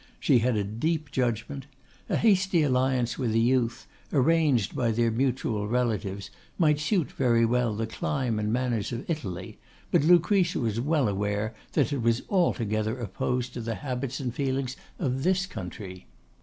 She had a deep judgment. A hasty alliance with a youth, arranged by their mutual relatives, might suit very well the clime and manners of Italy, but Lucretia was well aware that it was altogether opposed to the habits and feelings of this country.